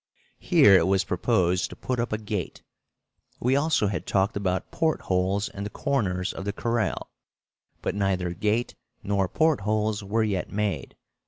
Here it was proposed to put up a gate. We also had talked about port holes in the corners of the corral, but neither gate nor port holes were yet made.